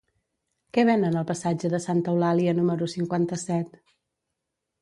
Què venen al passatge de Santa Eulàlia número cinquanta-set?